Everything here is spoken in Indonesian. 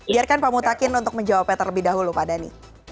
biarkan pak mutakin untuk menjawabnya terlebih dahulu pak dhani